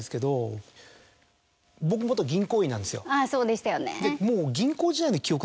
そうでしたよね。